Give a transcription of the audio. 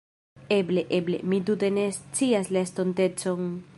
Eble, eble. Mi tute ne scias la estontecon